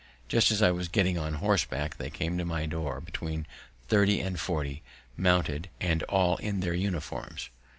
Just as I was getting on horseback they came to my door, between thirty and forty, mounted, and all in their uniforms.